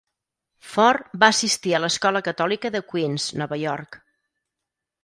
Ford va assistir a l'escola catòlica de Queens, Nova York.